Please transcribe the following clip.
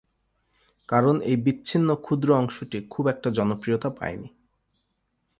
কারণ এই বিচ্ছিন্ন ক্ষুদ্র অংশটি খুব একটা জনপ্রিয়তা পায়নি।